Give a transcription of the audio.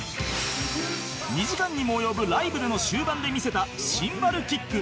２時間にも及ぶライブでの終盤で見せたシンバルキック